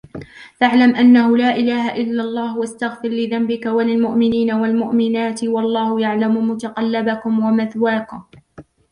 فاعلم أنه لا إله إلا الله واستغفر لذنبك وللمؤمنين والمؤمنات والله يعلم متقلبكم ومثواكم